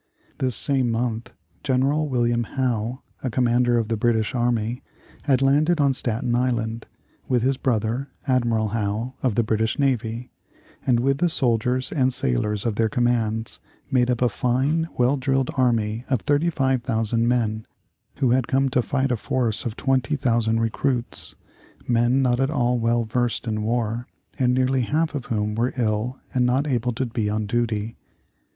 This same month General William Howe, commander of the British army, had landed on Staten Island, with his brother, Admiral Howe of the British navy, and with the soldiers and sailors of their commands, made up a fine, well drilled army of 35,000 men, who had come to fight a force of 20,000 recruits; men not at all well versed in war, and nearly half of whom were ill and not able to be on duty.